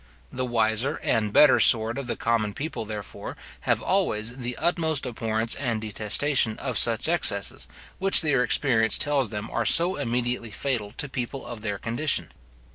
The wiser and better sort of the common people, therefore, have always the utmost abhorrence and detestation of such excesses, which their experience tells them are so immediately fatal to people of their condition.